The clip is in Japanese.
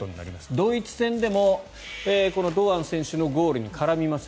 ドイツ戦でも堂安選手のゴールに絡みました。